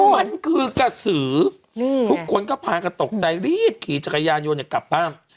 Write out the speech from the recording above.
มันคือกระสือนี่ทุกคนก็ผ่านก็ตกใจรีบขี่จักรยานโยนเนี่ยกลับบ้าน